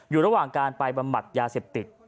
อยู่ระหว่างการไปบำบัดยาเสพติด